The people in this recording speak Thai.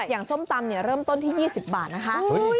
ส้มตำเริ่มต้นที่๒๐บาทนะคะ